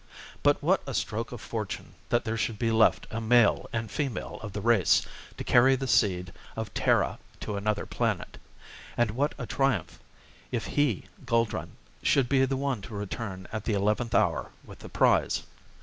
But what a stroke of fortune that there should be left a male and female of the race to carry the seed of Terra to another planet. And what a triumph if he, Guldran, should be the one to return at the eleventh hour with the prize.